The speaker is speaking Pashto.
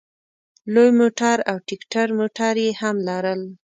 لوی موټر او ټیکټر موټر یې هم لرل.